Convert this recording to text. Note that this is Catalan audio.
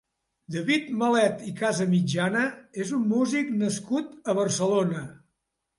David Malet i Casamitjana és un músic nascut a Barcelona.